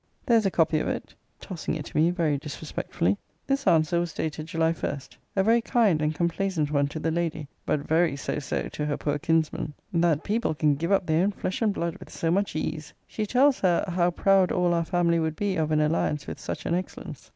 There's a copy of it, tossing it to me, very disrespectfully. This answer was dated July 1. A very kind and complaisant one to the lady, but very so so to her poor kinsman That people can give up their own flesh and blood with so much ease! She tells her 'how proud all our family would be of an alliance with such an excellence.'